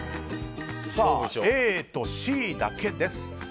ＡとＣだけです。